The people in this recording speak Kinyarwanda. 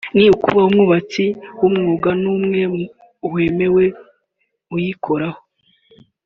no kuba nta mwubatsi w’umwuga n’umwe wemewe uyikoraho